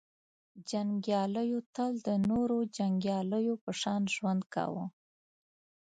• جنګیالیو تل د نورو جنګیالیو په شان ژوند کاوه.